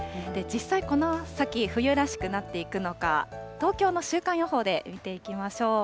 実際、この先、冬らしくなっていくのか、東京の週間予報で見ていきましょう。